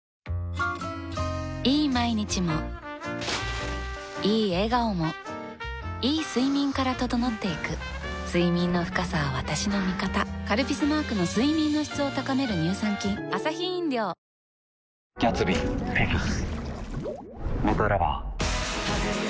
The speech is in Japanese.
いい毎日もいい笑顔もいい睡眠から整っていく睡眠の深さは私の味方「カルピス」マークの睡眠の質を高める乳酸菌続いては、アクティブ中継です。